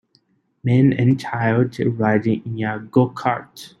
Man and child riding in gocart.